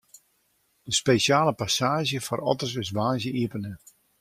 De spesjale passaazje foar otters is woansdei iepene.